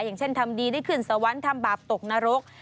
อย่างเช่นทำดีได้ขึ้นสวรรค์ทำบาปตกนรก